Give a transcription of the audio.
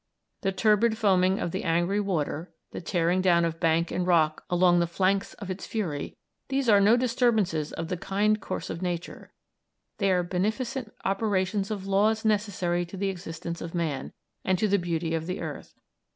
The turbid foaming of the angry water the tearing down of bank and rock along the flanks of its fury these are no disturbances of the kind course of nature; they are beneficent operations of laws necessary to the existence of man, and to the beauty of the earth